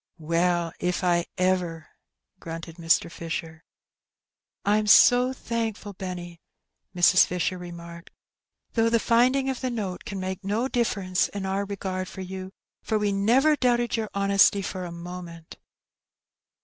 " Well, if I ever 1 " grunted Mr. Fisher. 'Tm so thankful, Benny,'' Mrs. Fisher remarked; ''though the finding of the note can make no difference in our regard for you, for we never doubted your honesty for a moment."